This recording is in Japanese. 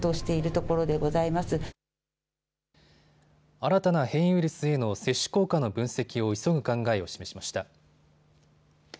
新たな変異ウイルスへの接種効果の分析を急ぐ考えを示しました。